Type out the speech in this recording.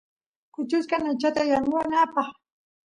kuchuchkan aychata yanunapaq